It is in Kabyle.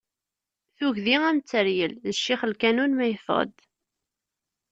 Tugdi am teryel, d ccix n lkanun ma yeffeɣ-d.